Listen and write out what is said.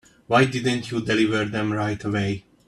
Why didn't you deliver them right away?